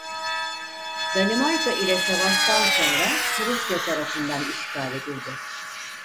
Danimarka ile savaştan sonra Prusya tarafından işgal edildi.